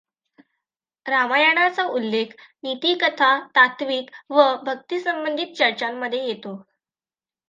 रामायणाचा उल्लेख नीतिकथा, तात्त्विक व भक्तिसंबंधित चर्चांमध्ये येतो.